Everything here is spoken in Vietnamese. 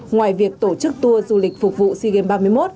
ngoài việc tổ chức tour du lịch phục vụ sea games ba mươi một